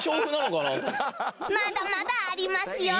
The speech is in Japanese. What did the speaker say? まだまだありますよ！